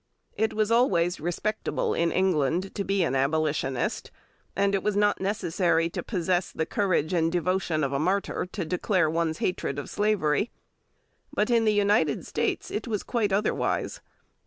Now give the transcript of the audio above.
It was always "respectable" in England to be an Abolitionist, and it was not necessary to possess the courage and devotion of a martyr to declare one's hatred of slavery. But in the United States it was quite otherwise.